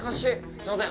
すいません。